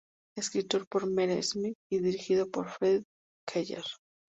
Escrito por Mere Smith y dirigido por Fred Keller.